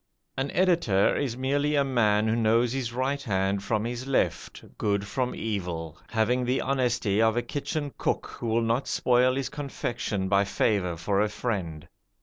An editor is merely a man who knows his right hand from his left, good from evil, having the honesty of a kitchen cook who will not spoil his confection by favour for a friend.